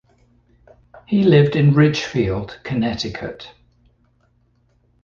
He lived in Ridgefield, Connecticut.